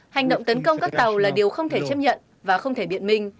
hành động tấn công các tàu là điều không thể chấp nhận và không thể biện minh